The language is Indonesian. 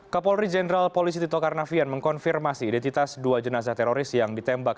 kepolri jenderal polri jenderal tito karnavian mengkonfirmasi identitas dua jenazah teroris yang ditembak